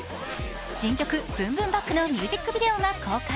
新曲「ＢｏｏｍＢｏｏｍＢａｃｋ」のミュージックビデオが公開。